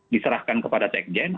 diserahkan kepada sekolah jenderal